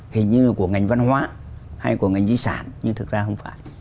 hình như là của ngành văn hóa hay của ngành di sản nhưng thực ra không phải